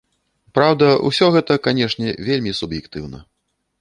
Праўда, усё гэта, канешне, вельмі суб'ектыўна.